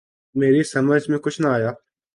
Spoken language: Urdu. میری سمجھ میں کچھ نہ آیا۔